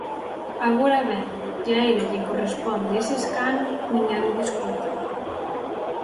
Agora ben, que a ela lle corresponde ese escano, ninguén o discute.